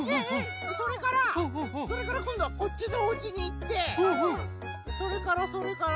それからそれからこんどはこっちのおうちにいってそれからそれから。